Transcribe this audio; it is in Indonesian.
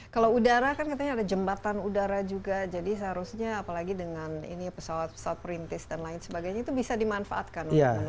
kalau udara kan katanya ada jembatan udara juga jadi seharusnya apalagi dengan ini pesawat pesawat perintis dan lain sebagainya itu bisa dimanfaatkan